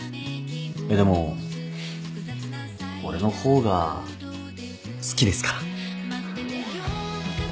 でも俺の方が好きですから。